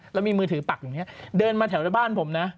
แล้วมีมือถือปักอยู่เนี่ยเดินมาแถวในบ้านผมนะ